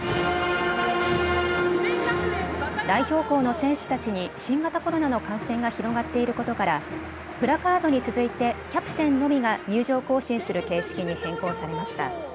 代表校の選手たちに新型コロナの感染が広がっていることからプラカードに続いてキャプテンのみが入場行進する形式に変更されました。